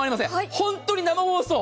本当に生放送。